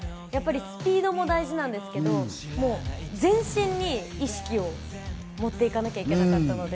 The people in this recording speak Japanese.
スピードも大事なんですけど、全身に意識を持っていかなきゃいけなくて。